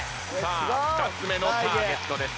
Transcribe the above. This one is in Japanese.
２つ目のターゲットです。